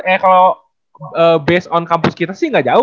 eh kalau based on kampus kita sih nggak jauh